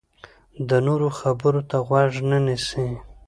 د نورو خبرو ته غوږ نه نیسي.